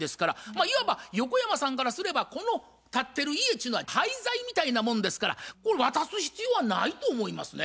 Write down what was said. いわば横山さんからすればこの建ってる家っちゅうのは廃材みたいなもんですからこれ渡す必要はないと思いますね。